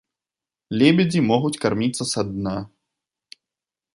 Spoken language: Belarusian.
Лебедзі могуць карміцца са дна.